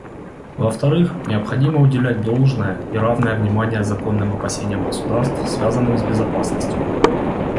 Во-вторых, необходимо уделять должное, и равное, внимание законным опасениям государств, связанным с безопасностью.